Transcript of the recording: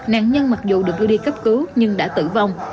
nạn nhân mặc dù được đưa đi cấp cứu nhưng đã tử vong